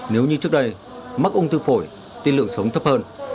nếu như trước đây mắc ung thư phổi tiên lượng sống thấp hơn